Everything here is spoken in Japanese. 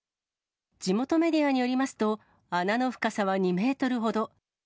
地元メディアによりますと、穴の深さは２メートルほど。